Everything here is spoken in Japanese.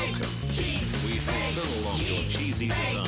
チーズ！